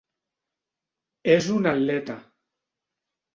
És una atleta.